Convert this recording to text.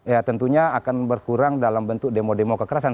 ya tentunya akan berkurang dalam bentuk demo demo kekerasan